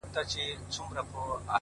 o ته به د خوب په جزيره كي گراني ،